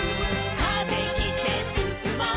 「風切ってすすもう」